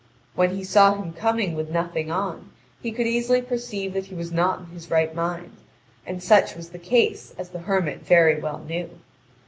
When he saw him coming with nothing on, he could easily perceive that he was not in his right mind; and such was the case, as the hermit very well knew.